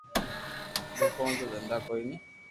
دوڪون تو دھندا ڪوئي ني